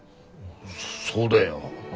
そうだよ。